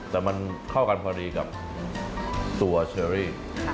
แต่มันหวานเข้ากับตัวเชอรี่